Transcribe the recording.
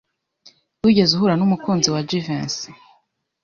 Wigeze uhura n'umukunzi wa Jivency?